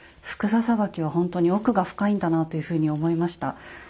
服紗さばきは本当に奥が深いんだなというふうに思いました。